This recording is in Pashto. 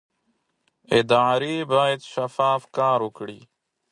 ادارې باید شفاف کار وکړي